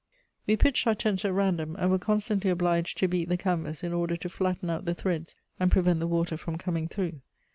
We pitched our tents at random, and were constantly obliged to beat the canvas in order to flatten out the threads and prevent the water from coming through.